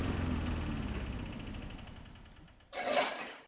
Navíc došlo ke zlepšení i co se rychlosti a zabezpečení týče.